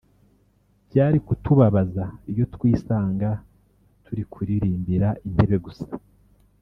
Byari kutubabaza iyo twisanga turi kuririmbira intebe gusa